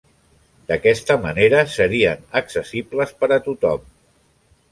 D'aquesta manera serien accessibles per a tothom.